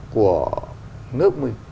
của nước mình